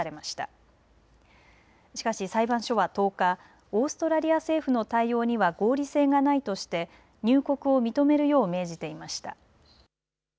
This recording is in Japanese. しかし裁判所は１０日オーストラリア政府の対応には合理性がないとして入国を認めるよう命じていました。